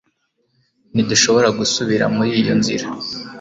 ntidushobora gusubira muri iyo nzira